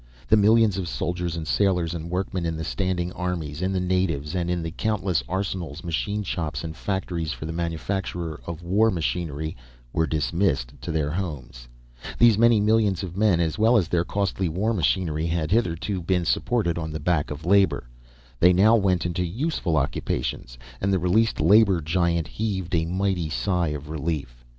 The millions of soldiers and sailors and workmen in the standing armies, in the navies, and in the countless arsenals, machine shops, and factories for the manufacture of war machinery, were dismissed to their homes. These many millions of men, as well as their costly war machinery, had hitherto been supported on the back of labour. They now went into useful occupations, and the released labour giant heaved a mighty sigh of relief.